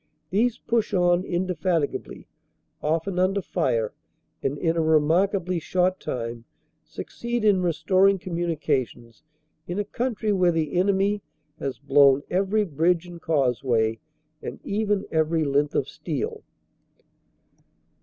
These push on indefatigably, often under fire, and in a remarkably short time succeed in restoring communica tions in a country where the enemy has blown every bridge and causeway, and even every length of steel.